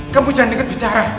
kamu jangan deket bicara